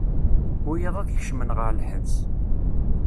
Wiyaḍ ad kecmen ɣer lḥebs.